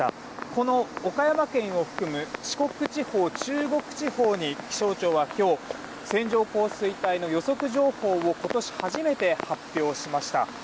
この岡山県を含む四国地方、中国地方に気象庁は今日、線状降水帯の予測情報を今年、初めて発表しました。